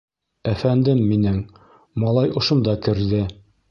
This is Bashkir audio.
— Әфәндем минең, малай ошонда керҙе!